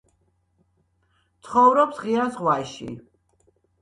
ცხოვრობს ღია ზღვაში.